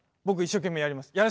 僕一生懸命やります。